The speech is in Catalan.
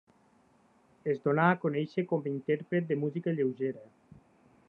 Es donà a conèixer com intèrpret de música lleugera.